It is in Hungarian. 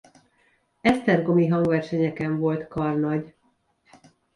Esztergomi hangversenyeken volt karnagy.